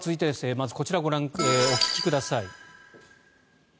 まずこちらをお聞きください。